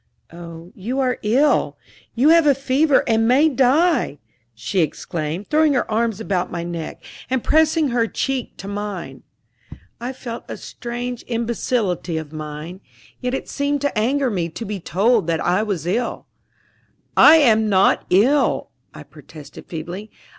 "Oh, you are ill you have a fever and may die!" she exclaimed, throwing her arms about my neck and pressing her cheek to mine. I felt a strange imbecility of mind, yet it seemed to anger me to be told that I was ill. "I am not ill," I protested feebly.